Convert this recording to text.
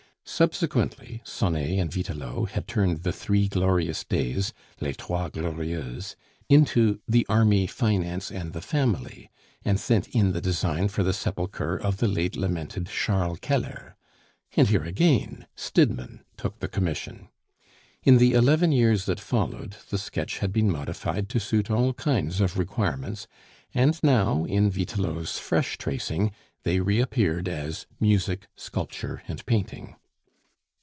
Subsequently, Sonet and Vitelot had turned the Three Glorious Days "les trois glorieuses" into the Army, Finance, and the Family, and sent in the design for the sepulchre of the late lamented Charles Keller; and here again Stidmann took the commission. In the eleven years that followed, the sketch had been modified to suit all kinds of requirements, and now in Vitelot's fresh tracing they reappeared as Music, Sculpture, and Painting.